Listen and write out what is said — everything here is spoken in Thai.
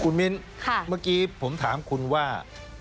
คุณมิ้นเมื่อกี้ผมถามคุณว่า